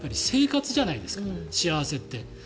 生活じゃないですか幸せって。